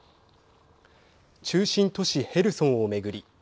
中心都市ヘルソンを巡り